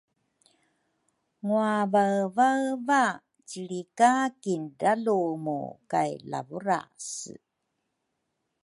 nguavaevaeva cilri ka kindralumu kay Lavurase.